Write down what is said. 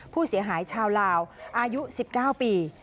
ผู้เสียหายชาวลาวอายุ๑๙ปี